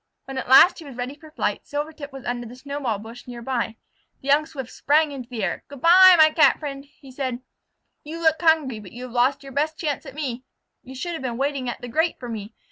When at last he was ready for flight, Silvertip was under the snowball bush near by. The young Swift sprang into the air. "Good by, my Cat friend," said he. "You look hungry, but you have lost your best chance at me. You should have been waiting at the grate for me.